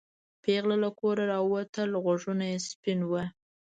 پېغله له کوره راووته غوږونه سپین وو.